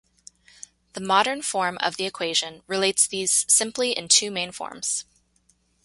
The modern form of the equation relates these simply in two main forms.